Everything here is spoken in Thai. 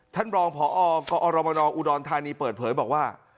ท่านรองพอกอรมนอุดรธานีเปิดเผยบอกว่า